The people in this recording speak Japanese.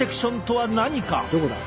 どこだ？